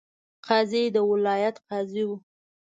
قاضي د ولایت قاضي وو.